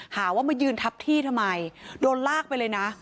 หาว่ามายืนทับที่ทำไมโดนลากไปเลยนะ